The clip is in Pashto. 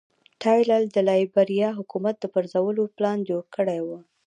ټایلر د لایبیریا حکومت د پرځولو پلان جوړ کړی و.